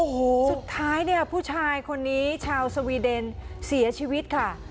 โอ้โหสุดท้ายเนี่ยผู้ชายคนนี้ชาวสวีเดนเสียชีวิตค่ะ